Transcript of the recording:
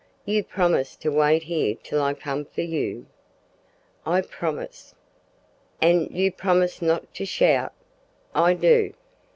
"You promise to wait here till I come for you?" "I promise." "An' you promise not to shout?" "I do."